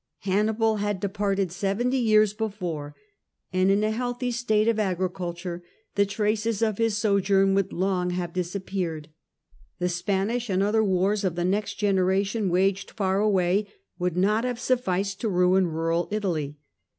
Hannibal had departed seventy years before, and in a healthy state of agriculture the traces of his sojourn would long have dis appeared. The Spanish and other wars of the next generation, waged far away, would not have sufficed to ruin rural Italy.